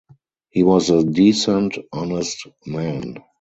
He was a decent honest man.